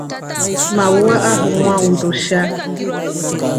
Maua ahumwaa undusha.